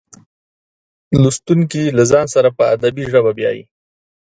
لوستونکي له ځان سره په ادبي ژبه بیایي.